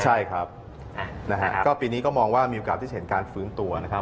ใช่ครับนะฮะก็ปีนี้ก็มองว่ามีโอกาสที่จะเห็นการฟื้นตัวนะครับ